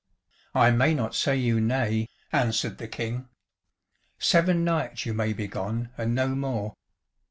"I may not say you nay," answered the King; "seven nights you may be gone and no more."